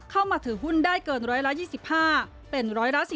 เข้ามาถือหุ้นได้เกิน๑๒๕เป็น๑๔